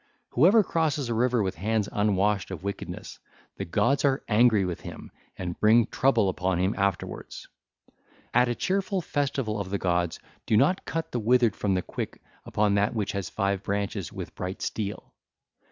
Whoever crosses a river with hands unwashed of wickedness, the gods are angry with him and bring trouble upon him afterwards. (ll. 742 743) At a cheerful festival of the gods do not cut the withered from the quick upon that which has five branches 1338 with bright steel. (ll.